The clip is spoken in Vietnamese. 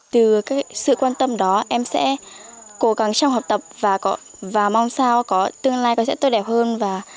từ sự quan tâm đó em sẽ cố gắng trong học tập và mong sao có tương lai có sẽ tốt đẹp hơn